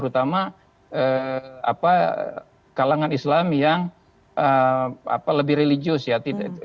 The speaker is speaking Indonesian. terutama kalangan islam yang lebih religius ya